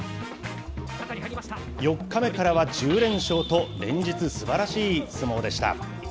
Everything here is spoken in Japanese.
４日目からは１０連勝と、連日すばらしい相撲でした。